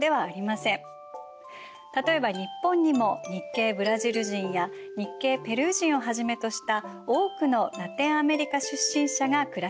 例えば日本にも日系ブラジル人や日系ペルー人をはじめとした多くのラテンアメリカ出身者が暮らしています。